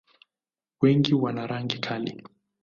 Wengi wana rangi kali.